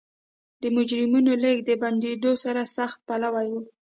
د مجرمینو لېږد د بندېدو سرسخت پلوی و.